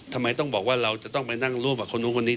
ทำไมต้องบอกว่าเราจะต้องไปนั่งร่วมกับคนนู้นคนนี้